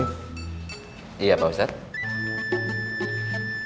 iya pak ustadz